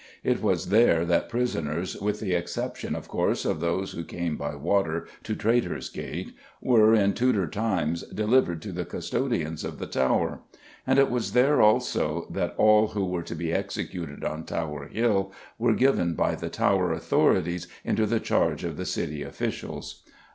It was there that prisoners, with the exception, of course, of those who came by water to Traitor's Gate, were, in Tudor times, delivered to the custodians of the Tower; and it was there, also, that all who were to be executed on Tower Hill were given by the Tower authorities into the charge of the City officials.